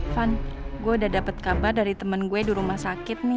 van gue udah dapet kabar dari temen gue di rumah sakit nih